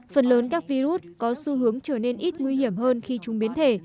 phần lớn các virus có xu hướng trở nên ít nguy hiểm hơn khi chúng biến thể